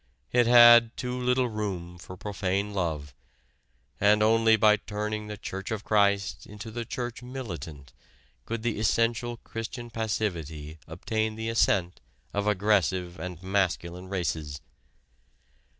It had too little room for profane love, and only by turning the Church of Christ into the Church Militant could the essential Christian passivity obtain the assent of aggressive and masculine races.